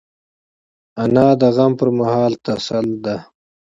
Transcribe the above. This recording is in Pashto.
انا د غم پر مهال تسل ده